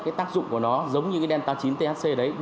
cái tác dụng của nó giống như cái delta chín thc đấy